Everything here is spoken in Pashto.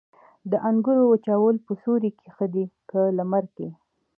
د انګورو وچول په سیوري کې ښه دي که لمر کې؟